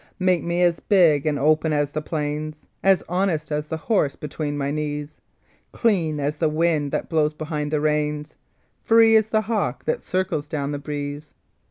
Make me as big and open as the plains, As honest as the horse between my knees, Clean as the wind that blows behind the rains, Free as the hawk that circles down the breeze.